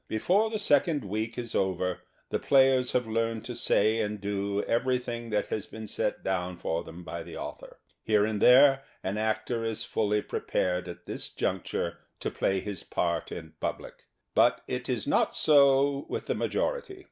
Before the second week is over the players have learned to say and do everything that has been set down for them by the author. Here and there an actor is fully prepared at this junc ture to play his part in public. But it is not so with the majority.